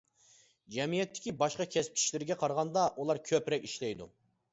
جەمئىيەتتىكى باشقا كەسىپ كىشىلىرىگە قارىغاندا ئۇلار كۆپرەك ئىشلەيدۇ.